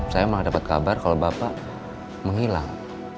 saya memang dapat kabar kalau bapak menghilang